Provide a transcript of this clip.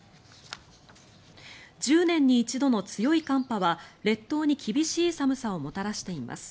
１０年に一度の強い寒波は列島に厳しい寒さをもたらしています。